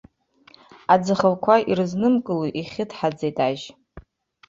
Аӡахәақәа ирызнымкыло ихьыдҳаӡеит ажь.